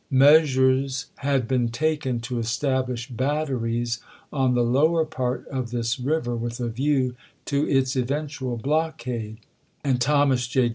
Measures had been taken to establish batteries on the lower part of this river with a view to its eventual blockade, and Thomas J.